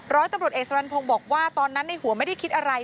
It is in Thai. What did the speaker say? ร้อยตำรวจเอกสรรพงศ์บอกว่าตอนนั้นในหัวไม่ได้คิดอะไร